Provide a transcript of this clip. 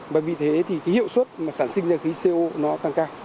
và vì thế thì cái hiệu suất mà sản sinh ra khí co nó tăng cao